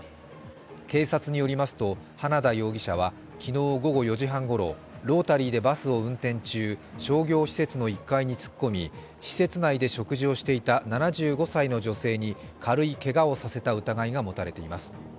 警察によりますと、花田容疑者は昨日午後４時半ごろ、ロータリーでバスを運転中、商業施設の１階に突っ込み、施設内で食事をしていた７５歳の女性に軽いけがをさせた疑いが持たれています。